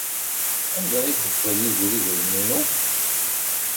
Anda ay yeffer Yidir idrimen-inu?